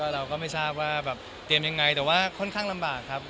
เราก็ไม่ทราบว่าแบบเตรียมยังไงแต่ว่าค่อนข้างลำบากครับ